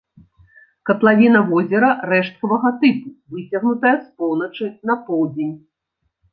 Катлавіна возера рэшткавага тыпу, выцягнутая з поўначы на поўдзень.